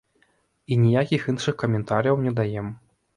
І ніякіх іншых каментарыяў не даем.